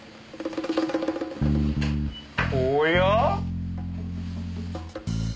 おや？